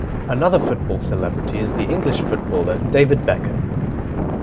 Another football celebrity is the English footballer David Beckham.